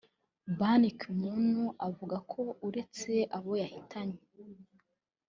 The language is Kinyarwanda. Ban Ki Moon avuga ko uretse abo yahitanye